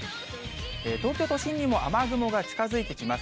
東京都心にも雨雲が近づいてきます。